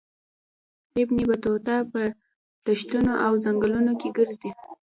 ابن بطوطه په دښتونو او ځنګلونو کې ګرځي.